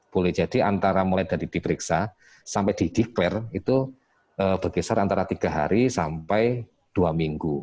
boleh jadi mulai dari diperiksa sampai diperiksa itu bergeser antara tiga hari sampai dua minggu